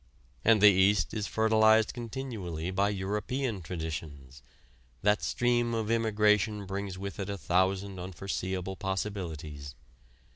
And the East is fertilized continually by European traditions: that stream of immigration brings with it a thousand unforeseeable possibilities.